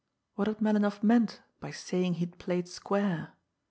What had Melinoff meant by saying he had played square?